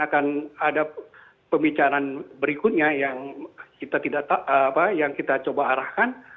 akan ada pembicaraan berikutnya yang kita coba arahkan